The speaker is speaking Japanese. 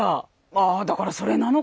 ああだからそれなのかな。